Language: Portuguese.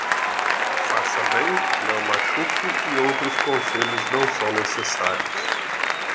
Faça bem, não machuque e outros conselhos não são necessários.